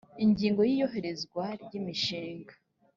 ingingo ya iyoherezwa ry imishinga